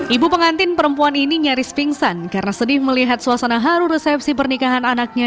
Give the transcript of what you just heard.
ibu pengantin perempuan ini nyaris pingsan karena sedih melihat suasana haru resepsi pernikahan anaknya